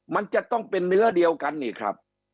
มันจะต้องเป็นเนื้อเดียวกันนี่ครับ